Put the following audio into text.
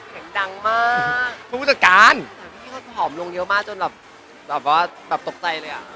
เสียงดังมากผู้จัดการแต่พี่เขาผอมลงเยอะมากจนแบบแบบว่าแบบตกใจเลยอ่ะ